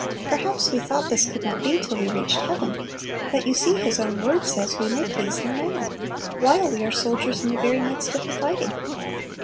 Perhaps we thought this could not be till we reached heaven; but you see His own word says, we "may please Him" now, while we are soldiers in the very midst of the fighting.